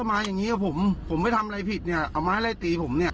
มาอย่างงี้กับผมผมไม่ทำอะไรผิดเนี่ยเอาไม้ไล่ตีผมเนี่ย